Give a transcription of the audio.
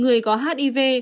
người có hiv